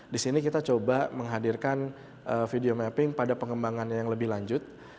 di sini kita coba menghadirkan video mapping pada pengembangan yang lebih lanjut